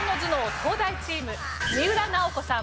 東大チーム三浦奈保子さん